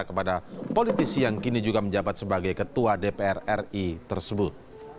kepada politisi yang kini juga menjabat sebagai ketua dpr ri tersebut